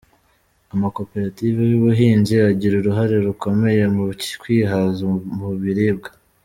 Amakoperative y’ubuhinzi agira uruhare rukomeye mu kwihaza mu biribwa